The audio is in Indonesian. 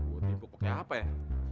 gua tipek pake apa ya